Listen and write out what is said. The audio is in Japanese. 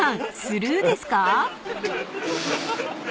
スルーですか？］